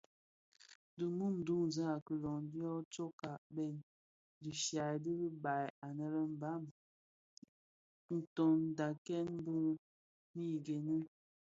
Di mum duňzi a kiloň dyo tsokka bèn dhishya di ribaï anë lè Mbam ntondakèn mii gene.